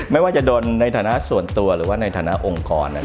ไม่ว่าจะโดนในฐานะส่วนตัวหรือว่าในฐานะองค์กร